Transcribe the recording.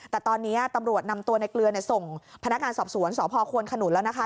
แต่ตอนนี้ตำรวจนำตัวในเกลือส่งพนักงานสอบสวนสพควนขนุนแล้วนะคะ